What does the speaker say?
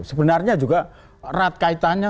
sebenarnya juga rat kaitannya